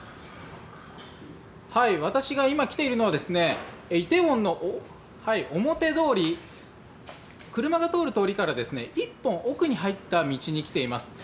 私が今、来ているのは梨泰院の表通り車で通る通りから１本奥に入った道に来ています。